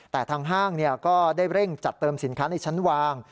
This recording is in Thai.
แต่ทางห้างก็ได้เร่งจัดเติมสินค้าในชั้นวาง